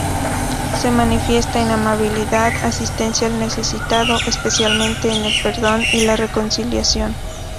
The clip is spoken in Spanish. Se manifiesta en amabilidad, asistencia al necesitado, especialmente en el perdón y la reconciliación.